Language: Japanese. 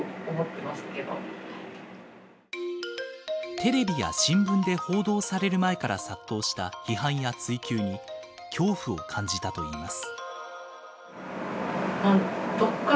テレビや新聞で報道される前から殺到した批判や追及に恐怖を感じたといいます。